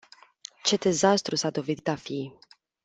Ce dezastru s-a dovedit a fi!